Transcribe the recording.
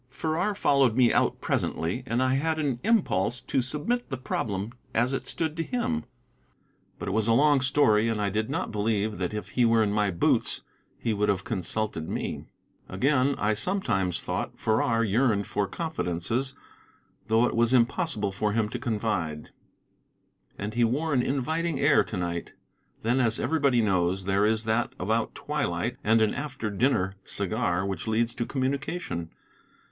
Farrar followed me out presently, and I had an impulse to submit the problem as it stood to him. But it was a long story, and I did not believe that if he were in my boots he would have consulted me. Again, I sometimes thought Farrar yearned for confidences, though it was impossible for him to confide. And he wore an inviting air to night. Then, as everybody knows, there is that about twilight and an after dinner cigar which leads to communication.